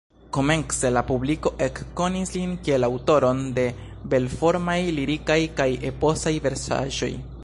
Komence la publiko ekkonis lin kiel aŭtoron de belformaj lirikaj kaj eposaj versaĵoj.